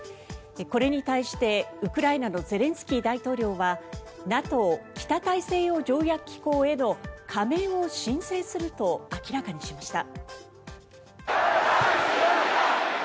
これに対してウクライナのゼレンスキー大統領はＮＡＴＯ・北大西洋条約機構への加盟を申請すると明らかにしました。